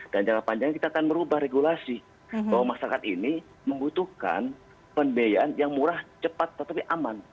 dan jangka panjang kita akan merubah regulasi bahwa masyarakat ini membutuhkan pembiayaan yang murah cepat tetapi aman